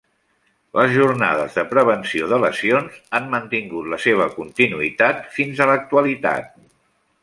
Les jornades de prevenció de lesions han mantingut la seva continuïtat fins a l'actualitat.